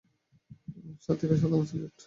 সাথীরা, সাধারণ স্যালুট!